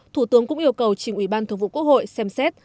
thủ tướng cũng yêu cầu chính ủy ban thượng vụ quốc hội xem xét